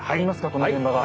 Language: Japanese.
この現場が。